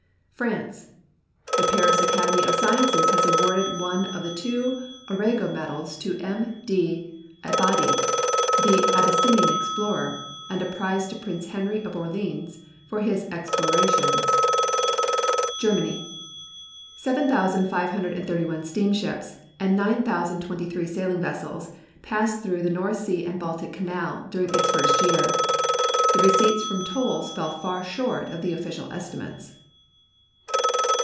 Fi{.\NCE. The Paris Academy of Sciences has awarded one of the two Arago medals to ^l. 1). Abadie, the Abyssinian explorer, and a prize to Prince Henry of Orleans for his explorations. Gkkmanv. 7,531 steamships and 9,02.] sailing vessels passed through the North Sea and Baltic canal during its first year. The receipts from tolls fell far short of the official estimates.